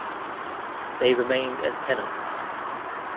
They remained as tenants.